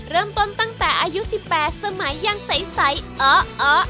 เริ่มต้นตั้งแต่อายุสิบแปดสมัยยังใสเอ่อเอ่อ